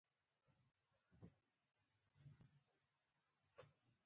باغونه اوبه او شنه ونې لري.